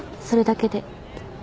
それだけで。